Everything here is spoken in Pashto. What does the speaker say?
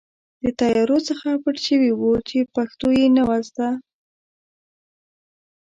د طیارو څخه پټ شوي وو چې پښتو یې نه وه زده.